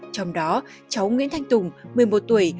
trong đó cháu nguyễn thanh tùng một mươi một tuổi